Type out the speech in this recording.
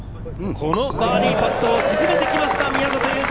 このバーディーパットを沈めてきました、宮里優作。